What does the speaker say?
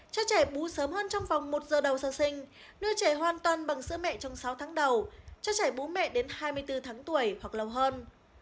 cho trẻ bú sớm hơn trong vòng một giờ đầu sơ sinh đưa trẻ hoàn toàn bằng sữa mẹ trong sáu tháng đầu cho trẻ bố mẹ đến hai mươi bốn tháng tuổi hoặc lâu hơn